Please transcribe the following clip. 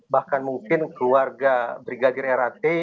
bahkan mungkin keluarga brigadir rat